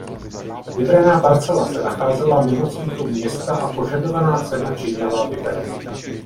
Vybraná parcela se nacházela mimo centrum města a požadovaná cena činila liber.